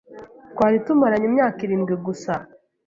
Twari tumaranye imyaka irindwi gusa